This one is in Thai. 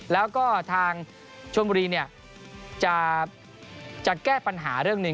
แล้วก็ทางชนบุรีจะแก้ปัญหาเรื่องหนึ่ง